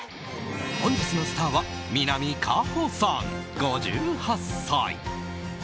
本日のスターは南果歩さん、５８歳。